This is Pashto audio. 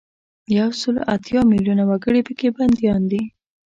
یو سل او اتیا میلونه وګړي په کې بندیان دي.